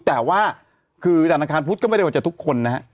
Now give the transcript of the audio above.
แต่ว่าคือธนาคารพุทธก็ไม่ได้ว่าจะทุกคนนะฮะ